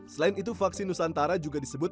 selain itu vaksin nusantara juga disebut